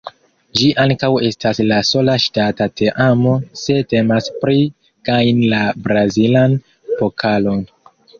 Ĝi ankaŭ estas la sola ŝtata teamo se temas pri gajni la Brazilan Pokalon.